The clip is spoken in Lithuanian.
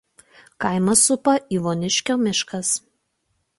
Kaimą supa Ivoniškio miškas.